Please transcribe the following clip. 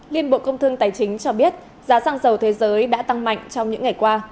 liên bộ công thương tài chính cho biết giá xăng dầu thế giới đã tăng mạnh trong những ngày qua